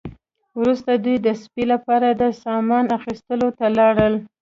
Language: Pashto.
وروسته دوی د سپي لپاره د سامان اخیستلو ته لاړل